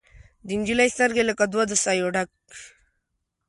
د نجلۍ سترګې لکه دوه د سايو ډک